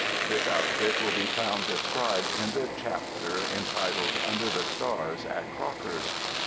This outfit will be found described in the cliapter en titled "Under the Stars at Crocker's."